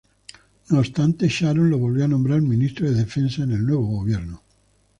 No obstante, Sharon lo volvió a nombrar ministro de Defensa en el nuevo gobierno.